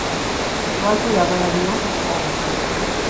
Lwaki oyagala nnyo okusaagasaaga?